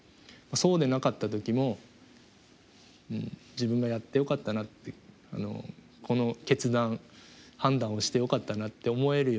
そうでなかった時も自分がやってよかったなってこの決断判断をしてよかったなって思えるようにしています。